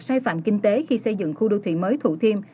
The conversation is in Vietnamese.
sai phạm kinh tế khi xây dựng khu đô thị mới thủ thiêm